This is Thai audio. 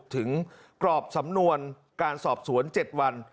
กรอบสำนวนการสอบสวน๗วัน